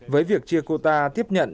với việc chia kota tiếp nhận